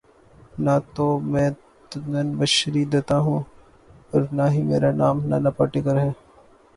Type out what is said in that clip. نہ تو میں تنوشری دتہ ہوں اور نہ ہی میرا نام نانا پاٹیکر ہے